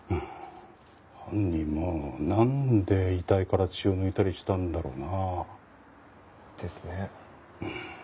犯人もなんで遺体から血を抜いたりしたんだろうな？ですね。